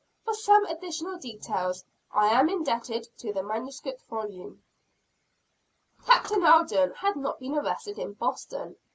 For some additional details, I am indebted to the manuscript volume. Captain Alden had not been arrested in Boston.